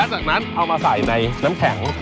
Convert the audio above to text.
จากนั้นเอามาใส่ในน้ำแข็ง